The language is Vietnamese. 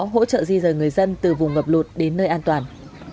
hỗ trợ di rời người dân từ vùng ngập lụt đến nơi an toàn